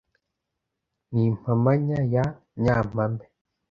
n'impamanya ya nyampame